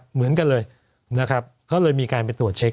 เหมือนกันเลยก็เลยมีการไปตรวจเช็ค